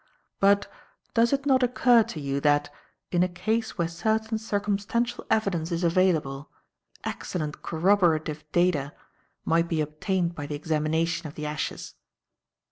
But, does it not occur to you that, in a case where certain circumstantial evidence is available, excellent corroborative data might be obtained by the examination of the ashes?"